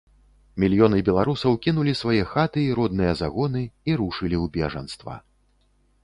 Мільёны беларусаў кінулі свае хаты і родныя загоны і рушылі ў бежанства.